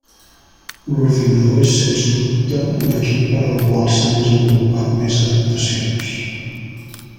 L'ordinador és sens dubte l'equip per al qual s'han desenvolupat més adaptacions.